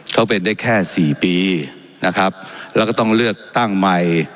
เขาเป็นได้แค่สี่ปีนะครับแล้วก็ต้องเลือกตั้งใหม่